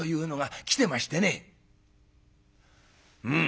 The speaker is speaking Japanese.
「うん」。